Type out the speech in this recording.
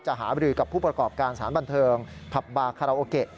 หาบริกับผู้ประกอบการสารบันเทิงผับบาคาราโอเกะ